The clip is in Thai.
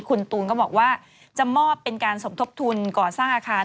คุณตูนก็บอกว่าจะมอบเป็นการสมทบทุนก่อสร้างอาคาร